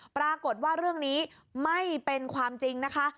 ปรากฏว่าเรื่องนี้ไม่เป็นความจริงนะคะ